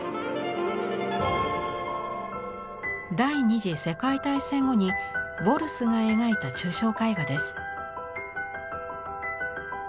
第二次世界大戦後にヴォルスが描いた抽象絵画です。